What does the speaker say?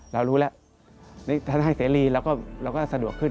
เรารู้แล้วท่านให้เสรีเราก็สะดวกขึ้น